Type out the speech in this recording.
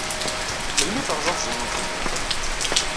Melmi ay terẓa tazewwut-nni?